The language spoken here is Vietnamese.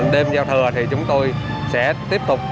đêm giao thừa thì chúng tôi sẽ tiếp tục